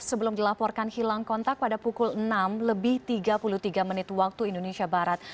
sebelum dilaporkan hilang kontak pada pukul enam lebih tiga puluh tiga menit waktu indonesia barat